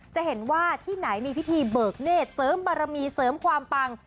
จะเห็นว่าที่ไหนมีพิธีเบิกเนธเสริมบารมีเสริมความปัง